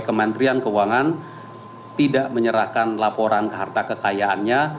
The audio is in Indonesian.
kementerian keuangan tidak menyerahkan laporan harta kekayaannya